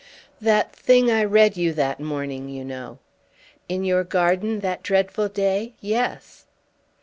"That thing I read you that morning, you know." "In your garden that dreadful day? Yes!"